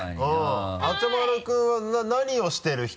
あちゃまる君は何をしてる人？